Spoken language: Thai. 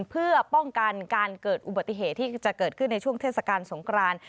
เพื่อป้องกันการเกิดอุบัติเหตุที่จะเกิดขึ้นในช่วงเทศกาลสงคราน